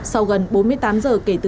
sau gần bốn mươi tám giờ kể từ